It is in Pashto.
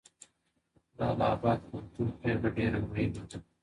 د اله اباد پوهنتون پریکړه ډېره مهمه ده.